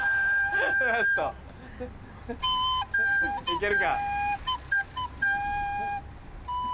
行けるか。